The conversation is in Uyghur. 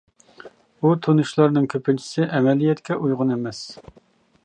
ئۇ تونۇشلارنىڭ كۆپىنچىسى ئەمەلىيەتكە ئۇيغۇن ئەمەس.